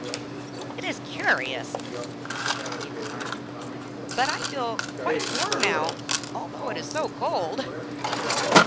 'It is curious,' he remarked, 'but I feel quite warm now, although it is so cold.'